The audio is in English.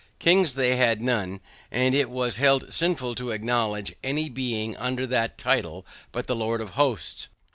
Kings they had none, and it was held sinful to acknowledge any being under that title but the Lord of Hosts.